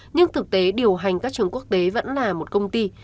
nhưng thực tế điều hành các trường quốc tế vẫn là một công ty